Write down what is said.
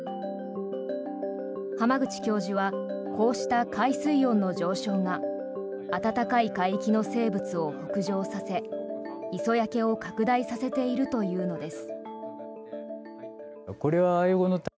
浜口教授はこうした海水温の上昇が暖かい海域の生物を北上させ磯焼けを拡大させているというのです。